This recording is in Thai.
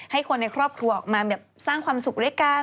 ให้คนในครอบครัวออกมาแบบสร้างความสุขด้วยกัน